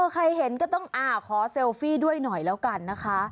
ใครเห็นก็ต้องขอเซลฟี่ด้วยหน่อยแล้วกันนะคะ